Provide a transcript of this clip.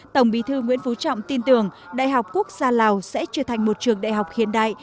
tổng bí thư nguyễn phú trọng tin tưởng đại học quốc gia lào sẽ trở thành một trường đại học hiện đại